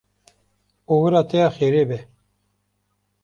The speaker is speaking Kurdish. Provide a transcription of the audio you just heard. Oxira te ya xêrê be.